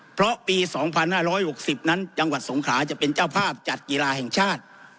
เพราะปี๒๕๖๐นั้นจังหวัดสงขลาจะเป็นเจ้าภาพจัดกีฬาแห่งชาติ